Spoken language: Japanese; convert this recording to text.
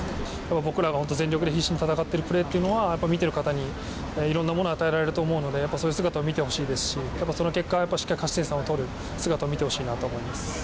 僕らが全力で必死に戦っているプレーは、見ている方にいろんなものを与えられると思うのでそういう姿を見てほしいですしその結果、しっかり勝ち点３を取る姿を見てほしいなと思います。